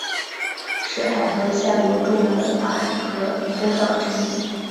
是海河下游重要的跨海河通道之一。